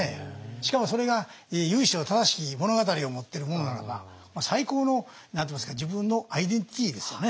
しかもそれが由緒正しき物語を持ってるものならば最高の何て言いますか自分のアイデンティティーですよね。